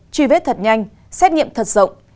truy vết thật nhanh xét nghiệm thật rộng